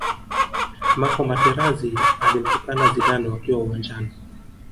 marco materazi alimtukana zidane wakiwa uwanjani